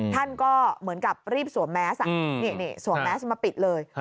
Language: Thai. ท่านก็เหมือนกับรีบสวมแมสสวมแมสมาปิดเลย